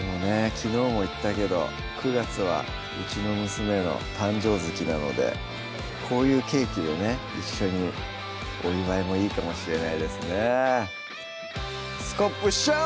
昨日も言ったけど９月はうちの娘の誕生月なのでこういうケーキでね一緒にお祝いもいいかもしれないですねスコップしよ！